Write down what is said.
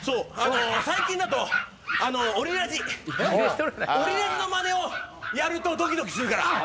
最近だとオリラジオリラジのまねをやるとドキドキするから。